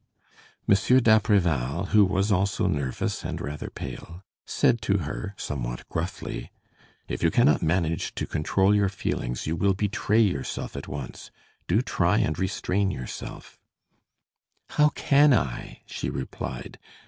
Monsieur d'Apreval, who was also nervous and rather pale, said to her somewhat gruffly: "If you cannot manage to control your feelings, you will betray yourself at once. Do try and restrain yourself." "How can I?" she replied.